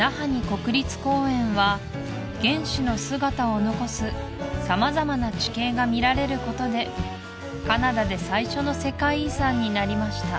国立公園は原始の姿をのこす様々な地形が見られることでカナダで最初の世界遺産になりました